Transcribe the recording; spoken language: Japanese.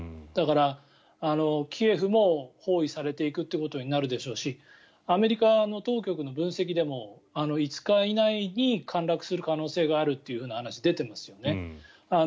だから、キエフも包囲されていくっていうことになるでしょうしアメリカの当局の分析でも５日以内に陥落する可能性という話が出ていますよね。